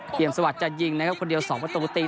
สวัสดิ์จะยิงนะครับคนเดียว๒ประตูตี